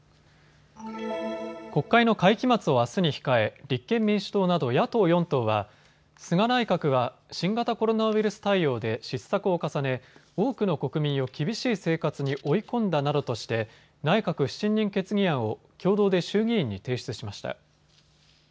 国会の会期末をあすに控え立憲民主党など野党４党は菅内閣は新型コロナウイルス対応で失策を重ね、多くの国民を厳しい生活に追い込んだなどとして内閣不信任決議案を共同で衆議院に提出しました。